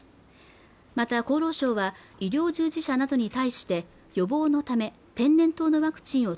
また厚労省は医療従事者などに対して予防のため天然痘のワクチンを